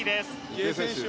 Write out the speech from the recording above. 池江選手